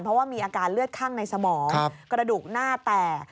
เพราะว่ามีอาการเลือดข้างในสมองกระดูกหน้าแตก